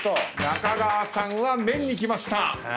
中川さんは麺にきました。